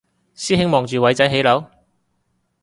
師兄望住偉仔起樓？